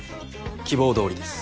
希望どおりです。